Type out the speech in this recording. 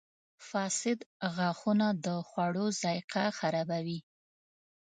• فاسد غاښونه د خوړو ذایقه خرابوي.